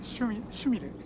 趣味でね。